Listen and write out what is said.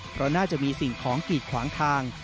เพราะน่าจะมีสิ่งของกีดขวางทาง